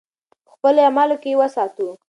په خپلو اعمالو کې یې وساتو.